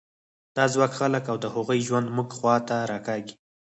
دا ځواک خلک او د هغوی ژوند موږ خوا ته راکاږي.